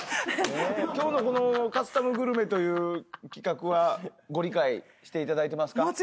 今日のこのカスタムグルメという企画はご理解していただいてますか？